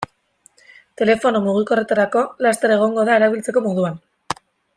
Telefono mugikorretarako laster egongo da erabiltzeko moduan.